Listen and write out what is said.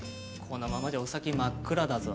このままじゃお先真っ暗だぞ。